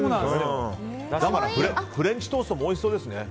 フレンチトーストもおいしそうですね。